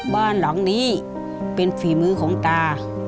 บ้านหลังนี้เป็นฝีมือของตา